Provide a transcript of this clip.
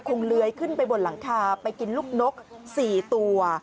เลื้อยขึ้นไปบนหลังคาไปกินลูกนก๔ตัว